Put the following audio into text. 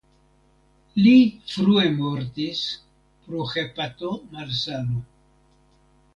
Li frue mortis pro hepatomalsano.